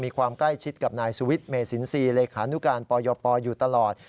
มีความใกล้ชิดกับนายสุวิทย์เมสินทรีย์เลขานุการปยปอยู่ตลอด